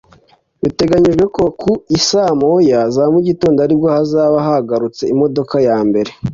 Biteganyijwe ko ku i Saa Moya za mu gitondo ari bwo hazaba hahagurutse imodoka ya mbere